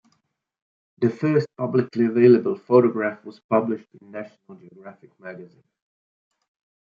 The first publicly available photograph was published in "National Geographic" magazine.